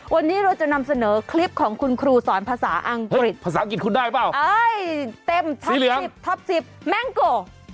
วันนี้เราจะนำเสนอคลิปของคุณครูสอนภาษาอังกฤษภาษาอังกฤษคุณได้เปล่าเอ้ยเต็มท็อป๑๐ท็อป๑๐แม่งโก